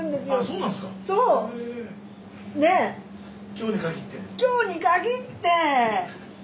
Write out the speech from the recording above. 今日に限って？